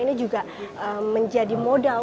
ini juga menjadi modal